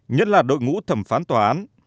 nhất là đội ngũ thẩm phán tòa án